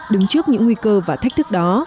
đứng trước những nguy cơ và thách thức đó